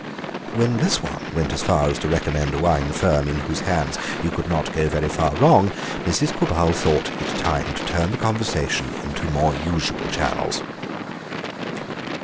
When this one went as far as to recommend a wine firm in whose hands you could not go very far wrong Mrs. Quabarl thought it time to turn the conversation into more usual channels.